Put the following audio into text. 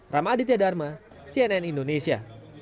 ramaditya dharma cnn indonesia